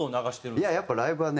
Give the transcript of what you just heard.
いややっぱライブはね